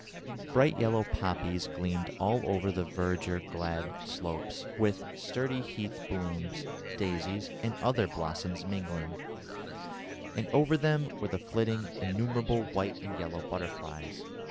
Bright yellow poppies gleamed all over the verdure clad slopes, with sturdy heath blooms, daisies, and other blossoms mingling, and over them were flitting innumerable white and yellow butterflies.